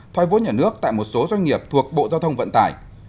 thoai vốn nhà nước tại một số doanh nghiệp thuộc bộ giao thông vận tài